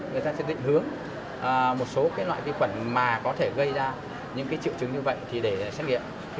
người ta sẽ định hướng một số loại vi khuẩn mà có thể gây ra những triệu chứng như vậy để xét nghiệm